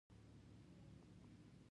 او ورسره ښه اړیکه ولري.